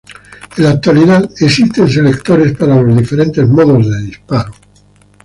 En la actualidad existen selectores para los diferentes modos de disparo.